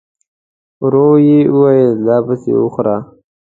ورو يې وويل: دا پسې وخوره!